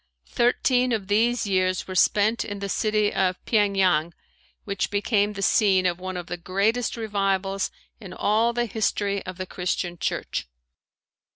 Thirteen of these years were spent in the city of Pyeng Yang which became the scene of one of the greatest revivals in all the history of the Christian church.